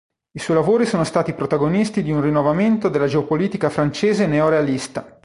I suoi lavori sono stati protagonisti di un rinnovamento della geopolitica francese neo-realista.